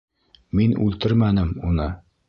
Мин үлтермәнем уны!